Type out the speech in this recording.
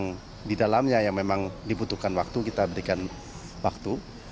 yang di dalamnya yang memang dibutuhkan waktu kita berikan waktu